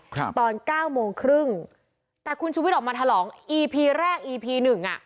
ครับตอนเก้าโมงครึ่งแต่คุณชุวิตออกมาแถลงอีพีแรกอีพีหนึ่งอ่ะ